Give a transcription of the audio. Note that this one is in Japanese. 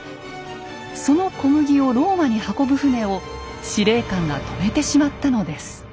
その小麦をローマに運ぶ船を司令官が止めてしまったのです。